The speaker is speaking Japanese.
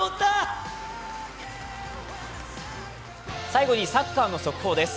最後にサッカーの速報です。